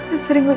mbak janji banget